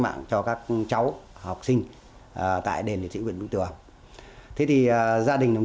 mạng cho các cháu các học sinh tại đền liệt sử huyện vĩnh tường thế thì rough gia đình đồng